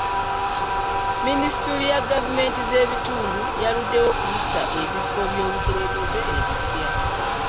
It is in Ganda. Minisitule ya gavumenti z'ebitundu yaluddewo okuyisa ebifo by'obukulembeze ebipya.